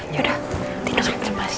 yaudah tidurin aja mas